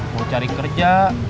mau cari kerja